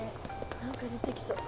何か出てきそう。